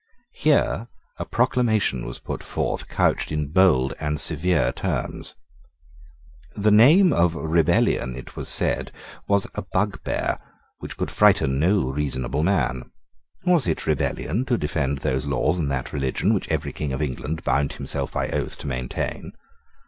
Here a proclamation was put forth couched in bold and severe terms. The name of rebellion, it was said, was a bugbear which could frighten no reasonable man. Was it rebellion to defend those laws and that religion which every King of England bound himself by oath to maintain?